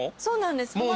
そうなんです。